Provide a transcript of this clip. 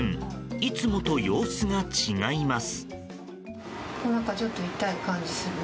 いつもと様子が違います。